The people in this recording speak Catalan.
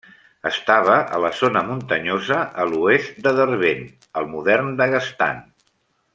Estava a la zona muntanyosa a l'oest de Derbent al modern Daguestan.